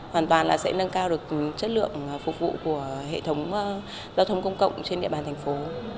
hoàn toàn là sẽ nâng cao được chất lượng phục vụ của hệ thống giao thông công cộng trên địa bàn thành phố